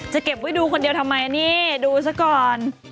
เก็บไว้ดูคนเดียวทำไมนี่ดูซะก่อน